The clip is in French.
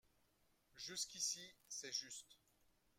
Jusqu’ici, c’est juste